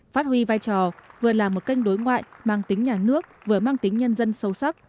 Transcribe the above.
phát huy vai trò vừa là một kênh đối ngoại mang tính nhà nước vừa mang tính nhân dân sâu sắc